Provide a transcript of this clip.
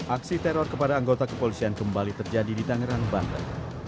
aksi teror kepada anggota kepolisian kembali terjadi di tangerang banten